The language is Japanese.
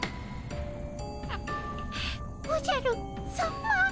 おじゃるさま？